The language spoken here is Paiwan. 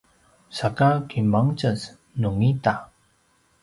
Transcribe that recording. saka kimangtjez nungida?